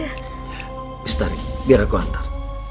astari biar aku antar